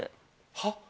は？